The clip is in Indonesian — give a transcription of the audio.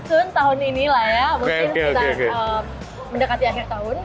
sun tahun ini lah ya mungkin kita mendekati akhir tahun